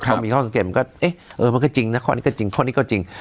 มันก็เอ๊ะเออมันก็จริงนะข้อนี้ก็จริงข้อนี้ก็จริง